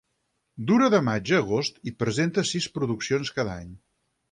Dura de maig a agost i presenta sis produccions cada any.